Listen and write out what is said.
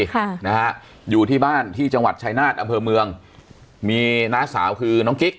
ค่ะนะฮะอยู่ที่บ้านที่จังหวัดชายนาฏอำเภอเมืองมีน้าสาวคือน้องกิ๊ก